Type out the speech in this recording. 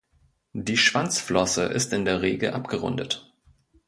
Die Schwanzflosse ist in der Regel abgerundet.